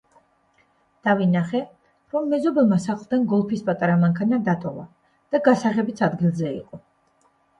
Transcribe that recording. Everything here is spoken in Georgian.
დავინახე, რომ მეზობელმა სახლთან გოლფის პატარა მანქანა დატოვა და გასაღებიც ადგილზე იყო.